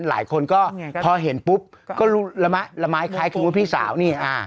หลายคนก็พอเห็นปุ๊บก็รู้ละไม้คล้ายคำว่าพี่สาวนี่